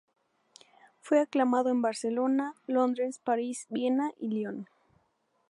Fue aclamado en Barcelona, Londres, París, Viena y Lyon.